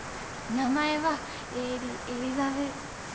名前はエリエリザベス。